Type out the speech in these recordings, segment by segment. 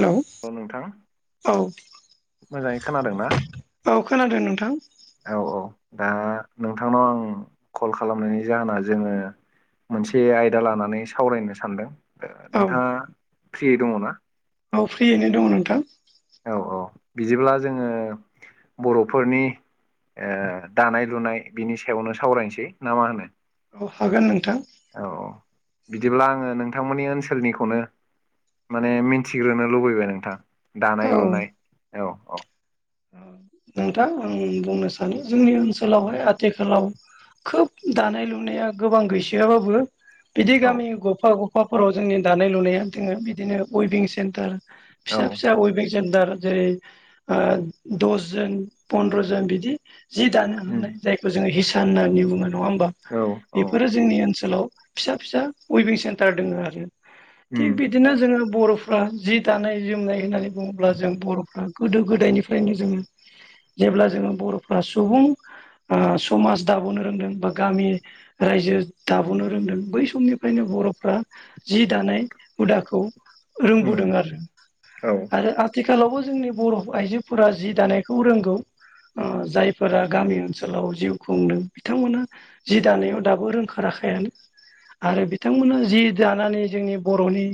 Hello औ नोंथां औ मोजाङै खोनादोंना औ खोनादों नोंथां औ औ दा नोंथांनाव आं कल खालामनायनि जाहोना जोङो मोनसे आयदा लानानै सावरायनो सानदों औ नोंथाङा फ्रियै दङना औ फ्रियैनो दङ नोंथां औ औ बिदिब्ला जोङो बर'फोरनि ओ दानाय लुनाय बिनि सायावनो सावरायनोसै ना मा होनो औ हागोन नोंथां औ औ बिदिब्ला आङो नोंथांमोननि ओनसोलनिखौनो माने मिथिग्रोनो लुबैबाय नोंथां दानाय औ लुनाय औ औ नोंथां आं बुंनो सानो जोंनि औ ओनसोलावहाय आथिखालाव खोब दानाय लुनाया गोबां गैसोआबाबो बिदि औ गामि गफा ग फाफोराव जोंनि दानाय लुनाया दोङो बिदिनो वेभिं सेन्टार औ फिसा फिसा दा वेभिं चेन्टार जेरै ओ दसजन पन्द्र' जन बिदि जि दानो उम हानाय जायखौ जोङो हिसान होननानै बुङो नङा होमबा औ औ बेफोरो जोंनि ओनसोलाव फिसा फिसा उइभिं सेन्टार दङ आरो थि बिदि उम बिदिनो जोङो बर'फ्रा जि दानाय जोमनाय होननानै बुङोब्ला जों बर'फ्रा गोदो गोदायनिफ्राय नो जोङो जेब्ला जोङो बर'फ्रा सुबुं ओ समाज दाबोनो रोंदों बा गामि रायजो दाबोनो रोंदों बै समनिफ्रायनो बर'फ्रा जि दानाय हुदाखौ उम रोंबोदों आरो औ आरो आथिखालावबो जोंनि बर' आइजो फोरा जि दानायखौ रोंगौ ओ जायफोरा गामि ओनसोलाव जिउ खुंदों बिथांमोना जि दानायाव दाबो रोंखा राखायानो आरो बिथांमोना जि दानानै जोंनि बर'नि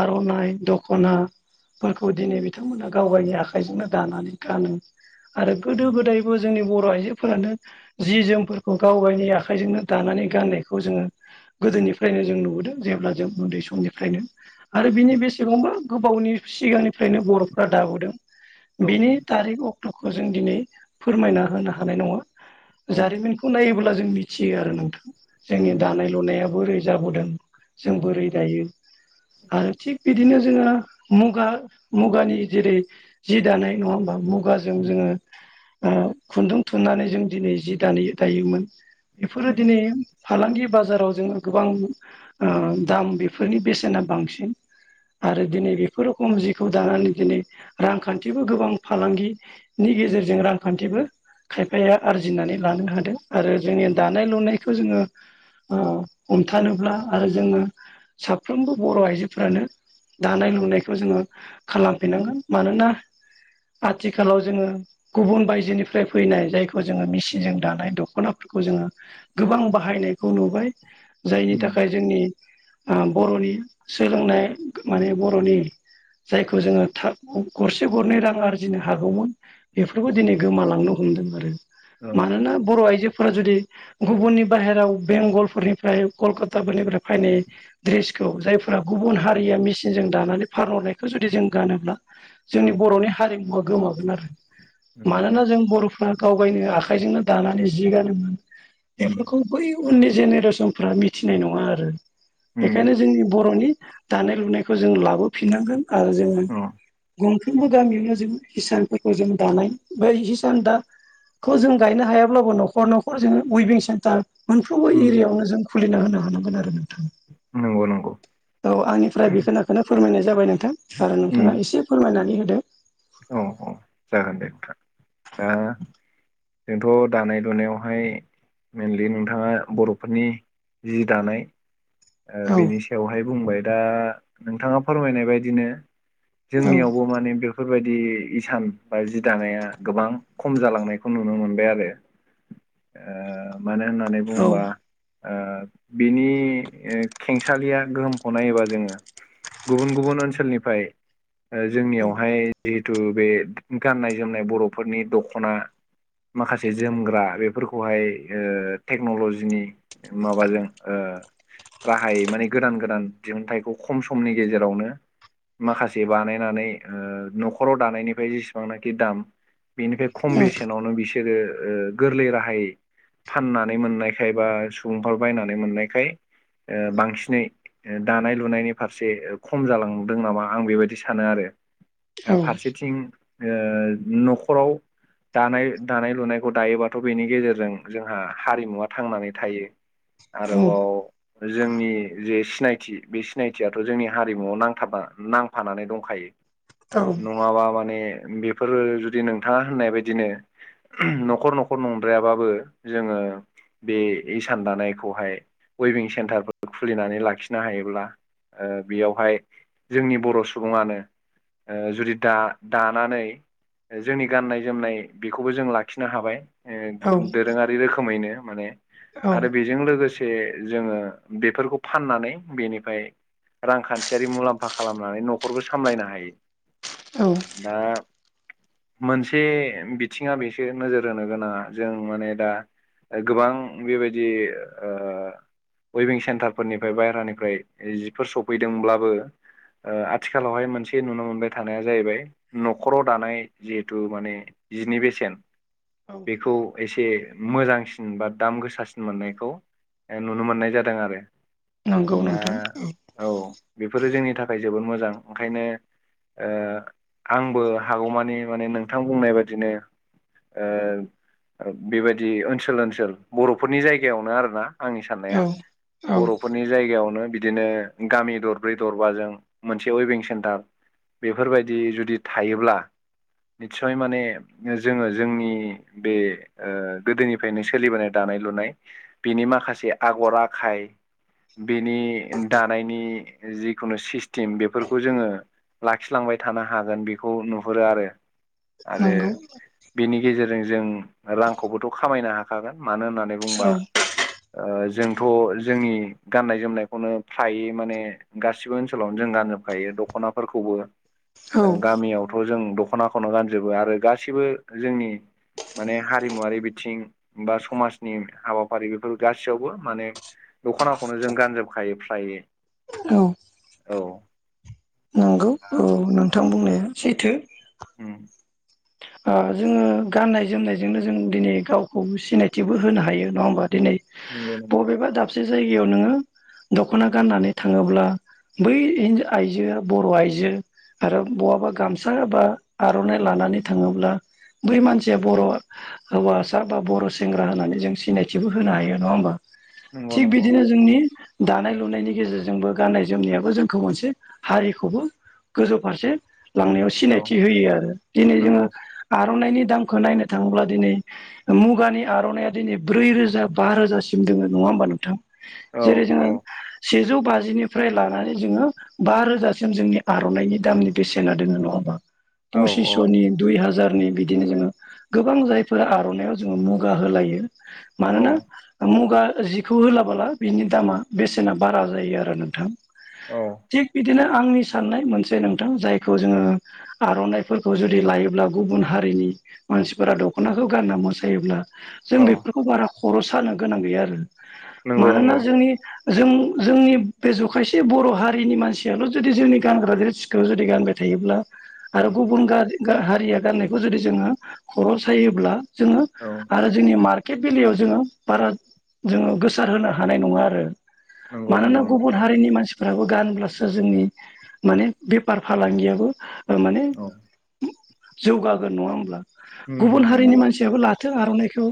आर'नाइ दख'नाफोरखौ दिनै बिथांमोना गाव गावनि आख- आखाइजोंनो दानानै गानो आरो गोदो उम गोदायबो जोंनि बर' आइजोफोरानो जि जोमफोरखौ गाव गावनि आखाइजोंनो दानानै गाननायखौ जोङो गोदोनिफ्रायनो जों नुबोदों जेब्ला जों उन्दै समनिफ्रायनो आरो बिनि बेसेबांबा गोबावनि सिगांनिफ्रायनो बर'फ्रा दाबोदों औ बिनि थारिख अक्ट'खौ जों दिनै फोरमायना होनो हानाय नङा जारिमिनखौ नायोब्ला जों मिथियो आरो नोंथां जोंनि उम दानाय लुनाया बोरै जाबोदों जों औ बोरै दायो आरो थिग बिदिनो जोङो मुगा मुगानि जेरै जि दानाय नङा होमबा मुगाजों उम जोङो ओ खुन्दुं थुननानै जों दिनै जि द दायोमोन बेफोरो उम दिनै फालांगि बाजाराव जोङो गोबां ओ दाम बेफोरनि बेसेना बांसिन आरो औ दिनै बेफोर खम जिखौ दानानै दिनै रांखान्थिबो गोबां फालांगिनि गेजेरजों रांखान्थिबो खायफाया आरजिनानै लानो हादों आरो जोंनि दानाय लुनायखौ जोङो ओ हमथानोब्ला आरो जोङो साफ्रोमबो बर' आइजोफ्रानो दानाय लुनायखौ जोङो खालामफिनांगोन मानोना आथिखालाव जोङो गुबुन बायजोनिफ्राय फैनाय जायखौ जोङो मेचिनजों दानाय दख'नाफोरखौ जोङो गोबां बाहायनायखौ नुबाय जायनि उम थाखाय जोंनि बर'नि सोलोंनाय माने बर'नि जायखौ जोङो था- गरसे गरनै रां आरजिनो हागौमोन बेफोरबो उम दिनै गोमालांनो हमदों आरो औ मानोना औ बर' आइजोफोरा जुदि गुबुननि बाहेराव बेंगलफोरनिफ्राय कलकाताफोरनिफ्राय फैनाय ड्रेसखौ जायफोरा गुबुन हारिया औ मेचिनजों दानानै फानहरनायखौ जुदि जों गानोब्ला जोंनि औ बर'नि हारिमुवा गोमागोन आरो नंगौ मानोना नंगौ जों बर' फोरा गाव गावनो आखाइजोंनो दानानै जि गानोमोन उम बेफोरखौ बै उननि जेनेरेसनफ्रा मिथिनाय नङा आरो उम बेखायनो जोंनि बर'नि दानाय लुनायखौ जों लाबोफिननांगोन आरो जोङो अ गंफ्रोमबो गामियावनो जों हिसानफोरखौ जों दानाय बे हिसान दा- नायखौ जों गायनो हायाब्लाबो न'खर न'खर जों उइबिं सेन्टार मोनफ्रोमबो उम एरियायावनो जों खुलिना होनो हानांगोन आरो नोंथां नंगौ नंगौ औ आंनिफ्राय बे खिनिखौनो फोरमायनाय जाबाय नोंथां आरो नोंथाङा उम एसे फोरमायनानै होदो। औ औ जागोन दे नोंथां दा जोंथ' दानाय लुनायावहाय मेनलि नोंथाङा बर'फोरनि जि दानाय ओ औ बेनि सायावहाय बुंबाय दा नोंथाङा फोरमायनाय बदिनो औ जोंनियावबो माने बे बेफोरबायदि इसान बा जि दानाया गोबां खम जालांनायखौ नुनो मोनबाय आरो ओ मानो होननानै औ बुंङोबा ओ बिनि खेंसालिया गोहोमखौ नायोबा जोङो गुबुन गुबुन ओनसोलनिफ्राय औ जोंनियावहाय जिहेतु बे गाननाय जोमनाय बर'फोरनि दख'ना माखासे जोमग्रा बेफोरखौहाय ओ टेक्न'ल'जिनि माबाजों ओ राहायै माने गोदान गोदान दिहुनथाइखौ खम समनि गेजेरावनो माखासे बानायनानै ओ न'खराव दानायनिफ्राय जेसेबांनाखि दाम बेनिफ्राय खम बेसेनावनो बिसोरो ओ गोरलै राहायै फाननानै मोननायखाय बा सुबुंफ्रा बायनानै मोननायखाय ओ बांसिनै दानाय लुनायनि फारसे खम जालांदों नामा आं बेबायदि सानो आरो। औ दा फारसेथिं ओ न'खराव दानाय दानाय लुनायखौ दायोबाथ' बेनि गेजेरजों जोंहा हारिमुवा थांनानै थायो औ आरोबाव जोंनि जे सिनायथि बे सिनायथियाथ' जोंनि हारिमुआव नांथाबा नांफानानै दंखायो। नङाबा माने बेफोरो जुदि नोंथाङा होननाय बायदिनो न'खर न'खर नंद्रायाबाबो जोङो बे इसान दानायखौहाय उइबिं सेन्टारफोर खुलिनानै लाखिनो हायोब्ला ओ बेयावहाय जोंनि बर' सुबुङानो ओ जुदि दा दानानै जोंनि गाननाय जोमनाय बेखौबो जों लाखिनो हाबाय। ओ दोरोङारि रोखोमैनो माने औ आरो बे जों लोगोसे जोङो बेफोरखौ फाननानै बेनिफ्राय रांखान्थियारि मुलाम्फा खालामनानै न'खरबो सामलायनो हायो। औ दा मोनसे बिथिङा बेसो नोजोर होनो गोनाङा जों माने दा गोबां बेबायदि ओ उइबिं सेन्टारफोरनिफ्राय बायहेरानिफ्राय जिफोर सफैदोंब्लाबो ओ आथिखालावहाय मोनसे नुनो मोनबाय थानाया जाहैबाय नखराव दानाय जिहेथु माने जिनि बेसेन औ बेखौ एसे मोजांसिन बा दाम गोसासिन मोननायखौ नुनो मोननाय जादों आरो। नंगौ दा नोंथां औ बेफोरो जोंनि थाखाय जोबोद मोजां ओंखायनो ओ आंबो हागौमानि माने नोंथां बुंनाय बादिनो ओ बेबायदि ओनसोल ओनसोल बर'फोरनि जायगायावनो आरोना। आंनि साननाया औ औ बर'फोरनि बे जायगायावनो बिदिनो गामि दरब्रै दरबाजों मोनसे वेबिं सेन्टार बेफोरबायदि जुदि थायोब्ला निस्सय माने जोङो जोंनि बे ओ गोदोनिफ्रायनो सोलिबोनाय दानाय लुनाय बिनि माखासे आगर आखाय बेनि दानायनि जिखुनु सिस्टेम बेफोरखौ जोङो लाखिलांबाय थानो हागोन बेखौ नुहुरो आरो आरो। नंगौ बिनि गेजेरजों जों रांखौबोथ' खामायनो हाखागोन मानो होननानै बुंबा औ ओ जोंथ' जोंनि गाननाय जोमनायखौनो फ्रायै माने गासिबो ओनसोलावनो जों गानजोबखायो दख'नाफोरखौबो औ गामियाव थ' जों दख'नाखौनो गानजोबो आरो गासिबो जोंनि माने हारिमुवारि बिथिं बा समाजनि हाबाफारि बेफोर गासैयावबो माने दख'नाखौनो जों गानजोबखायो फ्रायै औ औ नंगौ [inaudible] औ नोंथां बुंनाया सैथो। उम। ओ जोङो गाननाय जोमनायजोंनो जों दिनै गावखौ सिनायथिबो होनो हायो नङा ओमबा दिनै नंगौ नंगौ बबेबा दाबसे जायगायाव नोङो दख'ना गाननानै थाङोब्ला बै हि आइजो बर' आइजो आरो बहाबा गामसा बा आर'नाइ लानानै थाङोब्ला बै मानसिया बर' हौवासा बा बर' सेंग्रा होननानै जों सिनायथिबो होनो हायो नङा ओमबा नंगौ थिग नंगौ बिदिनो जोंनि दानाय लुनायनि गेजेरजोंबो गाननाय जोमनायाबो जोंखौ मोनसे हारिखौबो गोजौ फारसे लांनायाव औ सिनायथि होयो आरो दिनै जोङो नंगौ आर'नाइनि दामखौ नायनो थाङोब्ला दिनै मुगानि आर'नाइया दिनै ब्रै रोजा बा रोजासिम दोङो नङा ओमबा नोंथां? औ जेरै जोङो औ सेजौ बाजिनिफ्राय लानानै जोङो बा रोजासिम जोंनि आर'नाइनि दामनि बेसेना दोङो नङा ओमबा औ पसिस'नि दुइ हाजारनि बिदिनो जोङो गोबां जायफोरा आर'नाइयाव जोङो मुगा होलायो। औ मानोना ओ मुगा जिखौ होलाबोला बिनि दामा बेसेना बारा जायो आरो नोंथां। औ। थिग बिदिनो आंनि साननाय मोनसे नोंथां जायखौ जोङो आर'नाइफोरखौ जुदि लायो ब्ला गुबुन हारिनि मानसिफोरा दख'नाखौ गानना मोसायोब्ला जों औ बेफोरखौ बारा खर' सानो गोनां गैया आरो नंगौ मानोना नंगौ जोंनि जों जोंनि बे जखायसे बर' हारिनि मानसियाल' जुदि जोंनि गानग्रा ड्रेसखौ जुदि गानबाय थायोब्ला औ आरो गुबुन गा-गा-हारिया गाननायखौ जुदि जोङो खर' सायोब्ला जोङो औ। आरो जोंनि मार्केट बेलियाव जोङो बारा जोङो गोसार होनो हानाय नङा आरो। नंगौ मानोना नंगौ नोंथां गुबुन हारिनि मानसि फोराबो गानब्लासो जोंनि माने बेफार फालांगियाबो ओ माने औ जौगागोन नङा होमब्ला गुबुन हारिनि नंगौ मानसियाबो लाथों आर'नाइखौ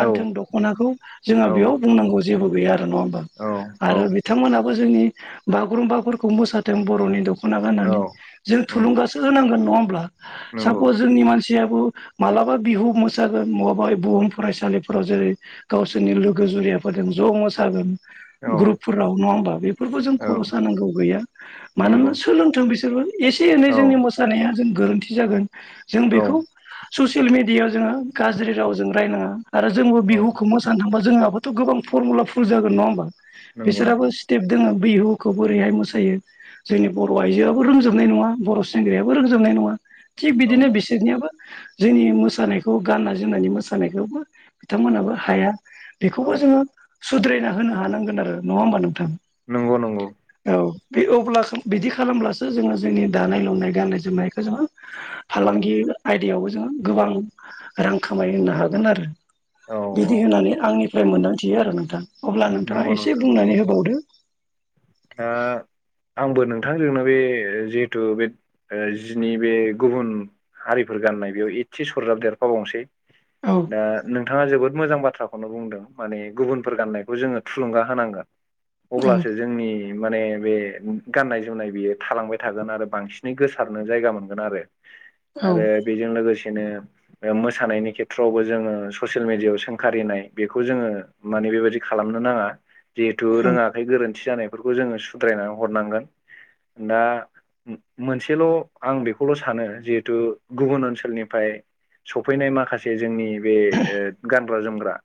औ दख'नाखौ जोंहा औ बेयाव बुंनांगौ जेबो गैया आरो। नङा होमबा औ औ आरो बिथांमोनाबो जोंनि बागुरुम्बाफोरखौ मोसााथों बर'नि द दख'ना गाननानै जों औ थुलुंगासो होनांगोन नङा ओमब्ला नंगौ सापस जोंनि मानसियाबो मालाबा बिहु मोसागोन मवाबा बुहुम फरायसालिफोराव जेरै गावसोरनि लोगो जुरियाफोरजों ज' मोसागोन औ ग्रुप फोराव नङा होमबा बेफोरखौ जों औ खर' सानांगौ गैया नंगौ मानोना सोलोंथों बिसोरबो एसे एनै औ जोंनि मोसानाया जों गोरोन्थि जागोन जों औ बेखौ ससियेल मिडियायाव जोङो गाज्रि रावजों रायनाङा आरो जोंबो औ बिहुखौ मोसा सानो थांबा जोंहाबोथ' गोबां फरमुला भुल जागोन नङा होमबा नंगौ बेसोराबो नंगौ टेब दोङो बिहुखौ बोरैहाय मोसायो जोंनि बर' आइजोआबो रोंजोबनाय नङा बर' सेंग्रायाबो रोंजोबनाय नङा थिग औ बिदिनो बिसोरनियाबो जोंनि मोसानायखौ गाननाय जोमनायनि मोसानायखौबो बिथांमोनाबो औ हाया औ बेखौबो जोङो सुद्रायना होनो हानांगोन आरो नङा होमबा नोंथां नंगौ नंगौ औ बे अब्ला बिदि खालामब्लासो जोङो जोंनि दानाय लुनाय गाननाय जोमनायखौ जोङो औ फालांगि आयदायावबो जों गोबां रां खामाय होनो हागोन आरो औ बिदि औ होनानै औ आंनिफ्राय मोनदांथियो आरो नोंथां अब्ला नोंथाङा नंगौ एसे नोंथां नंगौ बुंनानै होबावदो दा आंबो नोंथांजोंनो बे जिहेतु बे ओ जिनि बे गुबुन हारिफोर गाननाय बेयाव एदसे सरजाब देरफाबावनोसै औ दा नोंथाङा जोबोद मोजां बाथ्राखौनो बुंदों माने गुबुनफोर गाननायखौ जोङो थुलुंगा होनांगोन। औ अब्लासो जोंनि माने बे गाननाय जोमनाय बेयो थालांबाय थागोन आरो बांसिनै गोसारनो जायगा मोनगोन आरो। औ आरो बेजों लोगोसेनो ओ मोसानायनि खेथ्रआवबो जोङो ससियेल मिडियायाव सोंखारिनाय बेखौ जोङो माने बेबायदि खालामनो नाङा जिहेथु औ रोङाखै गोरोन्थि जानाय फोरखौ जोङो सुद्रायनानै हरनांगोन दा मोनसेल' आं बेखौल' सानो जिहेथु गुबुन ओनसोलनिफाय सफैनाय माखासे जोंनि बे ओ गानग्रा जोमग्रा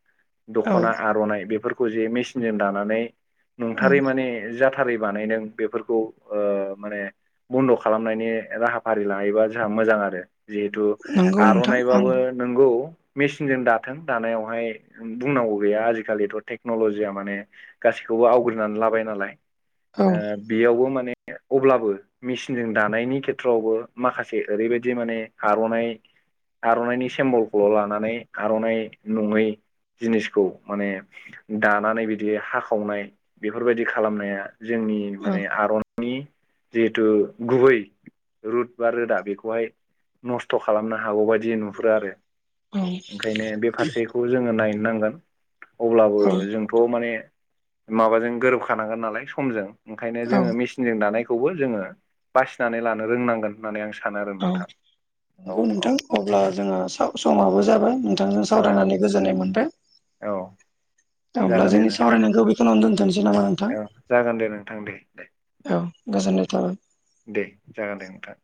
औ दख'ना आर'नाइ बेफोरखौ जे मेसिनजों दानानै औ नंथारै माने जाथारै बानायदों बेफोरखौ ओ माने बन्द' खालामनायनि राहाफारि लायोबा जोंहा मोजां आरो जिहेथु नंगौ नोंथां आं आर'नाइबाबो नोंगौ मेसिनजों दाथों दानायावहाय बुंनांगौ गैया आजिखालिथ' टेक्नल'जिया माने गासैखौबो आवग्रिनानै लाबाय नालाय औ ओ बेयावबो माने अब्लाबो मेसिनजों दानायनि खेथ्रआवबो माखासे ओरैबायदि माने आर'नाइ आर'नाइनि सेम्बलखौल' लानानै आर'नाइ नङै जिनिसखौ माने दानानै बिदि हाखावनाय बेफोरबायदि खालामनाया जोंनि औ माने आरना नि जिहेथु गुबै रुद बा रोदा बेखौहाय नस्थ' खालामनो हागौ बायदि नुहुरो आरो ओंखायनो बे फारसेखौ जोङो नायनो नांगोन अब्लाबो औ जों थ' माने माबाजों गोरोबखानांगोन नालाय समजों ओंखायनो जोङो मि सिनजों दानायखौबो जोङो बासिनानै लानो रोंनांगोन होननानै आं सानो आरो औ नोंथां औ नंगौ नोंथां औ अब्ला जोंहा साम समाबो जाबाय बिथांजों औ सावरायनानै गोजोननाय मोनदों औ दा अब्ला जागोन दे जोंनि नोंथां दे सावरायनायखौ बे खिनियावनो दोनथनोसै नामा नोंथां ओं दे दे औ गोजोननाय थाबाय दे जागोन दे नोंथां